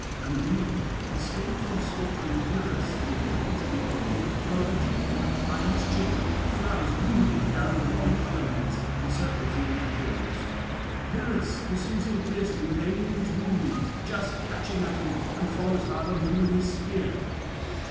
'And lo, escaped from slaughtering Pyrrhus through the weapons of the enemy, Polites, one of Priam's children, flies wounded down the long colonnades and circles the empty halls. Pyrrhus pursues him fiercely with aimed [530 563]wound, just catching at him, and follows hard on him with his spear.